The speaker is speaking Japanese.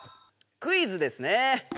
「クイズ」ですね。